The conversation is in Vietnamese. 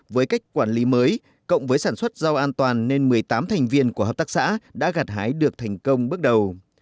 với cách quản lý mới cộng với sản xuất rau an toàn nên một mươi tám thành viên của hợp tác xã đã gạt hái được thành công bước đầu